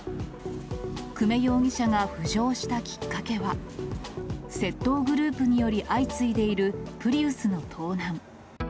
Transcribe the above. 久米容疑者が浮上したきっかけは、窃盗グループにより相次いでいるプリウスの盗難。